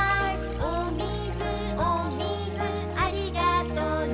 「おみずおみずありがとね」